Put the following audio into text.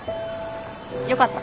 よかった。